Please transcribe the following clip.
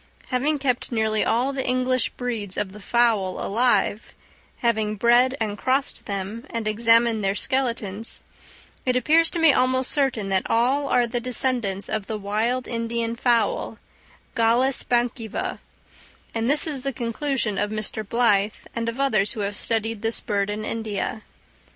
Having kept nearly all the English breeds of the fowl alive, having bred and crossed them, and examined their skeletons, it appears to me almost certain that all are the descendants of the wild Indian fowl, Gallus bankiva; and this is the conclusion of Mr. Blyth, and of others who have studied this bird in India.